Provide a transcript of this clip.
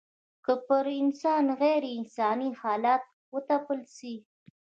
که پر انسان غېر انساني حالات وتپل سي